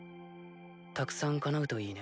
たくさんかなうといいね。